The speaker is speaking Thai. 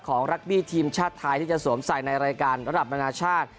รักบี้ทีมชาติไทยที่จะสวมใส่ในรายการระดับนานาชาติ